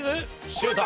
シュート！